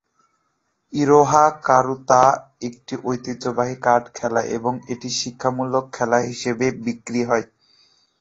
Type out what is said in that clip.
ইরোহা কারুতা, একটি ঐতিহ্যবাহী কার্ড খেলা, এখনও একটি শিক্ষামূলক খেলনা হিসাবে বিক্রি হয়।